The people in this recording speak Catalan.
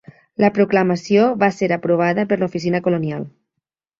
La proclamació va ser aprovada per l'Oficina Colonial.